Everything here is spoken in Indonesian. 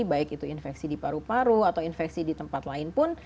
baik itu infeksi di paru paru atau infeksi di tempat lain pun